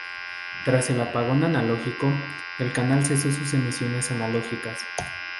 Tras el apagón analógico, el canal cesó sus emisiones analógicas.